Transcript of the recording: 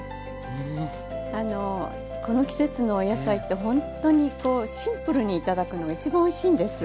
あのこの季節のお野菜ってほんっとにこうシンプルに頂くのがいちばんおいしいんです。